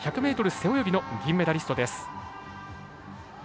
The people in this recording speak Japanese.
１００ｍ背泳ぎの銀メダリスト。